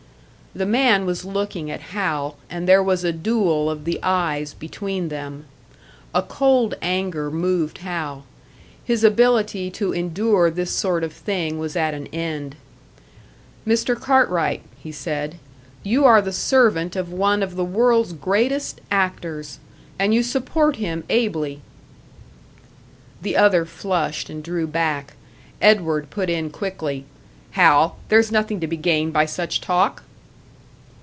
The man was looking at Hal, and there was a duel of the eyes between them. A cold anger moved Hal. His ability to endure this sort of thing was at an end. "Mr. Cartwright," he said, "you are the servant of one of the world's greatest actors; and you support him ably." The other flushed and drew back; Edward put in quickly: "Hal, there's nothing to be gained by such talk!"